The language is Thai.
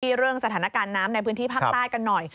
เรื่องสถานการณ์น้ำในพื้นที่ภาคใต้กันหน่อย